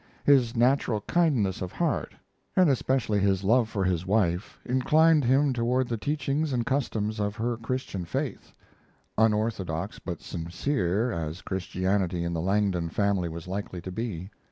His natural kindness of heart, and especially his love for his wife, inclined him toward the teachings and customs of her Christian faith unorthodox but sincere, as Christianity in the Langdon family was likely to be.